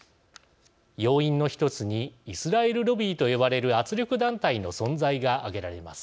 要因の１つにイスラエル・ロビーと呼ばれる圧力団体の存在が挙げられます。